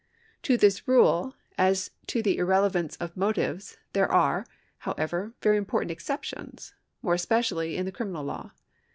'* To this rule as to the irrelevance of motives there are, however, very important exceptions, more especially in the criminal law.